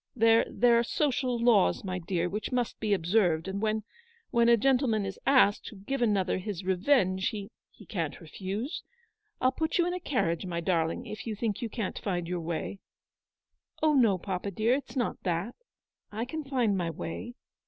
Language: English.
There — there are social laws, my dear, which must be observed ; and when — when a gentleman is asked to give another his revenge, he — he can't refuse. I'll put you into a carriage, my darling, if you think you can't find your way." UPON THE THRESHOLD OF A GREAT SORROW". 91 " Oh, no, papa, dear, it's not that. I can find my way."